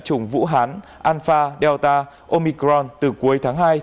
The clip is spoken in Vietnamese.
chủng vũ hán anfael delta omicron từ cuối tháng hai